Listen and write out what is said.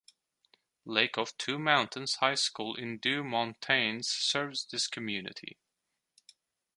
Lake of Two Mountains High School in Deux-Montagnes serves this community.